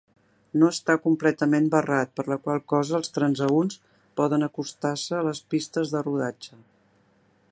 No està completament barrat, per la qual cosa els transeünts poden acostar-se a les pistes de rodatge.